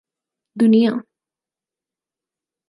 دنیا